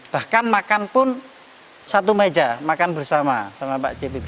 bahkan makan pun satu meja makan bersama sama pak jpp